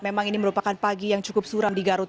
memang ini merupakan pagi yang cukup suram di garut